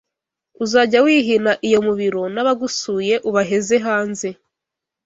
Uzajya wihina iyo mu biro n’abagusuye ubaheze hanze